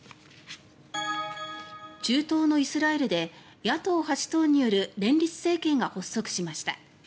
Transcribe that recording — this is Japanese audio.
中東のイスラエルで野党８党による連立政権が発足しました。